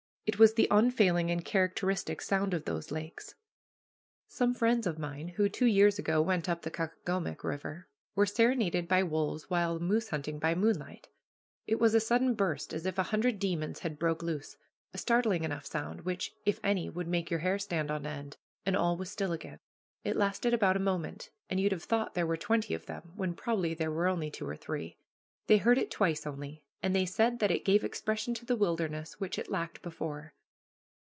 It was the unfailing and characteristic sound of those lakes. Some friends of mine, who two years ago went up the Caucomgomoc River, were serenaded by wolves while moose hunting by moonlight. It was a sudden burst, as if a hundred demons had broke loose, a startling sound enough, which, if any, would make your hair stand on end, and all was still again. It lasted but a moment, and you'd have thought there were twenty of them, when probably there were only two or three. They heard it twice only, and they said that it gave expression to the wilderness which it lacked before.